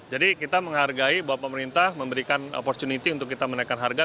jadi kita menghargai bahwa pemerintah memberikan opportunity untuk kita menaikan harga